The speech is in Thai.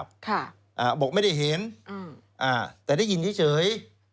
บอกไม่ได้เห็นแต่ได้ยินเฉย